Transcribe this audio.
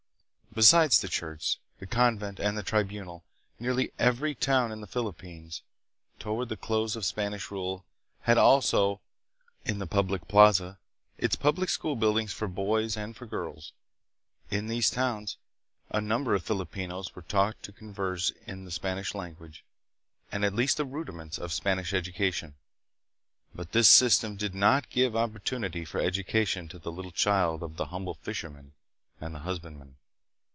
Besides the church, the convent, and the tribunal, nearly every town in the Philippines, toward the close of Spanish rule, had also, hi the public plaza, its public school buildings for boys and for girls. In these towns a number of Filipinos were taught to converse hi the Span ish language and at least the rudiments of Spanish edu 276 THE PHILIPPINES. cation. But this system did not give opportunity for education to the little child of the humble fisherman and the husbandman.